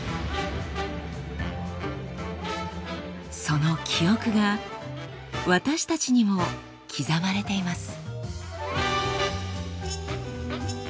その記憶が私たちにも刻まれています。